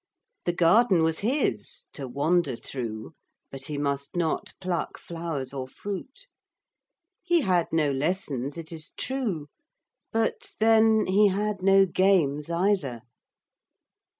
The garden was his to wander through, but he must not pluck flowers or fruit. He had no lessons, it is true; but, then, he had no games either.